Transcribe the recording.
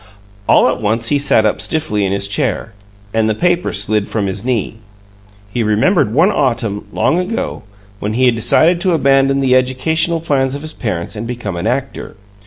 All at once he sat up stiffly in his chair, and the paper slid from his knee. He remembered an autumn, long ago, when he had decided to abandon the educational plans of his parents and become an actor.